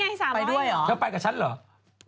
รู้ได้อย่างไร๓๐๐บาทแม่งให้ติ๊บแค่๓๐๐บาทเลย